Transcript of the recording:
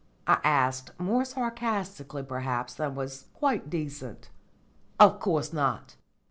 I asked, more sarcastically perhaps than was quite decent. "Of course not.